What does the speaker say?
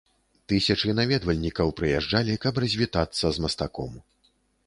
Тысячы наведвальнікаў прыязджалі, каб развітацца з мастаком.